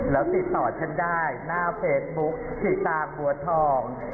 แล้วติดต่อฉันได้หน้าเฟซบุ๊คผีตาบัวทอง